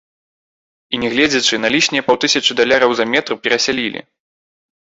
І не гледзячы на лішнія паўтысячы даляраў за метр перасялілі!